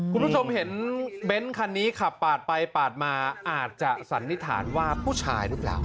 คุณผู้ชมเห็นเบนท์คันนี้ขับปาดไปปาดมาอาจจะสันนิษฐานว่าผู้ชายหรือเปล่า